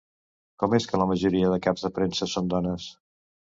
Com és que la majoria de caps de premsa són dones?